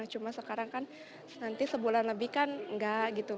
cuma sekarang kan nanti sebulan lebih kan enggak gitu